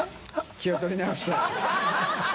気を取り直して。